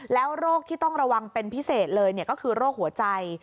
แล้วโรคที่ต้องระวังเป็นพิเศษเลยก็คือโรคหัวใจ